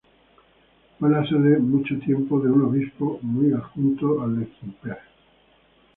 Fue la sede mucho tiempo de un obispo hoy adjunto al de Quimper.